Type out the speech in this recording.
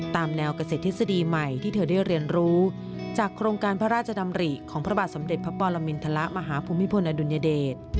ตามแนวเกษตรทฤษฎีใหม่ที่เธอได้เรียนรู้จากโครงการพระราชดำริของพระบาทสมเด็จพระปรมินทรมาฮภูมิพลอดุลยเดช